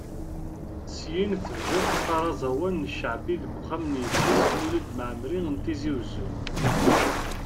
Syin tebda teqqar aẓawan n cceɛbi deg Uxxam n yidles Mulud Mɛemmeri n Tizi Uzzu.